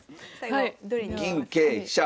銀桂飛車。